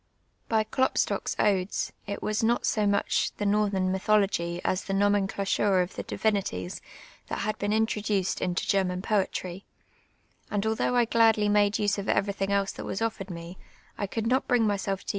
By Klopstocks odes, it was not so much the Northern mytholojj^y as the nomenclature of the divinities, that had been introduced into German ])oetry ; and althoui^li I gladly made use of cvcrNtliing else that was otiered me, I could not bring myself to u.